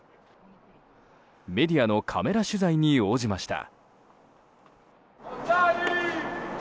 メディアのカメラ取材に応じました。